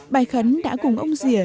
bài khấn đã cùng ông dĩa